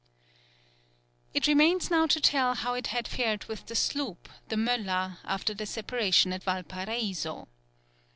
It remains now to tell how it had fared with the sloop, the Möller, after the separation at Valparaiso.